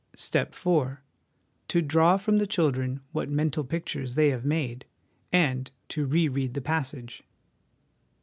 " Step IV. To draw from the children what mental pictures they have made and to re read the passage.